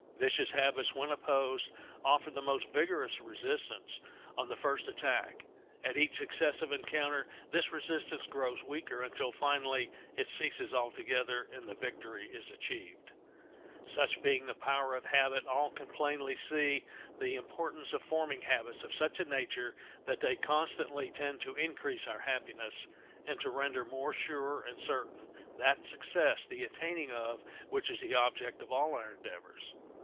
Vicious habits, when opposed, offer the most vigorous resistance on the first attack; at each successive encounter this resistance grows weaker, until, finally, it ceases altogether, and the victory is achieved. Such being the power of habit all can plainly see the importance of forming habits of such a nature that they shall constantly tend to increase our happiness, and to render more sure and certain that success the attaining of which is the object of all our endeavors.